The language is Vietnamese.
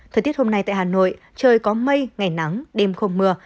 thời tiết hôm nay tại hà nội trời có mây ngày nắng đêm không mưa